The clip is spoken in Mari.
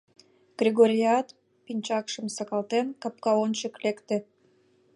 Кргорият, пинчакшым сакалтен, капка ончык лекте.